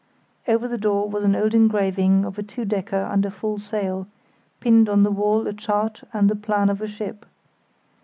Over the door was an old engraving of a two decker under full sail; pinned on the wall a chart and the plan of a ship.